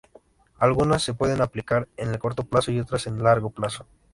Algunas se pueden aplicar en el corto plazo y otras en el largo plazo.